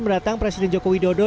mendatang presiden joko widodo